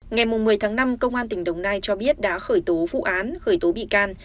ngày một mươi tháng năm công an tỉnh đồng nai cho biết đã khởi tố vụ án khởi tố bị can